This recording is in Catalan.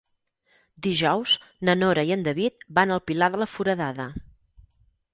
Dijous na Nora i en David van al Pilar de la Foradada.